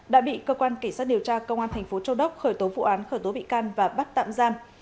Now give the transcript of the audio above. đã bị cơ quan kỳ sát điều tra công an thành phố châu đốc khởi tố vụ án khởi tố bị can và bắt tạm giam